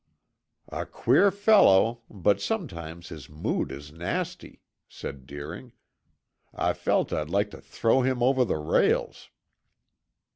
"A queer fellow, but sometimes his mood is nasty," said Deering. "I felt I'd like to throw him over the rails."